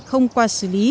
không qua xử lý